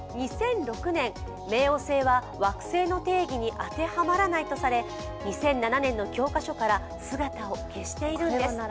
２００６年、冥王星は惑星の定義に当てはまらないとされ、２００７年の教科書から姿を消しているんです。